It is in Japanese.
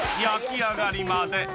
［焼き上がりまで］